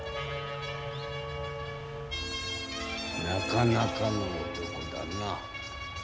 なかなかの男だな。